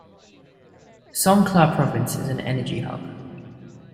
Songkhla Province is an energy hub.